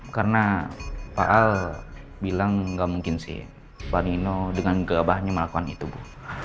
karena pak al bilang nggak mungkin sih pak nino dengan keabahannya melakukan itu bu